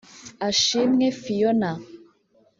Ashimwe Fionna